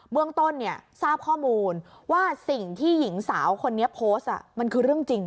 เรื่องต้นทราบข้อมูลว่าสิ่งที่หญิงสาวคนนี้โพสต์มันคือเรื่องจริง